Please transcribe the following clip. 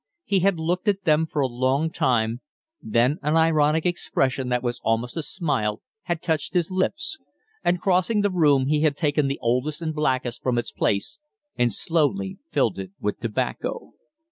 He had looked at them for a long time, then an ironic expression that was almost a smile had touched his lips, and, crossing the room, he had taken the oldest and blackest from its place and slowly filled it with tobacco.